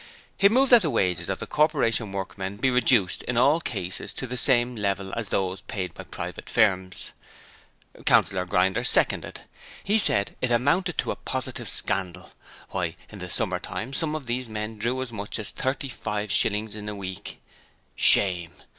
He moved that the wages of the Corporation workmen be reduced in all cases to the same level as those paid by private firms. Councillor Grinder seconded. He said it amounted to a positive scandal. Why, in the summer time some of these men drew as much as 35/ in a single week! (Shame.)